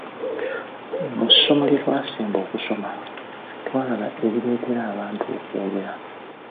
Mu ssomo lye twasemba okusoma, twalaba ebireetera abantu okwogera.